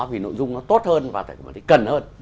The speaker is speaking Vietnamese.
vì nội dung nó tốt hơn và cần hơn